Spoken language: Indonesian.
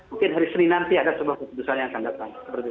mungkin hari senin nanti ada sebuah keputusan yang akan datang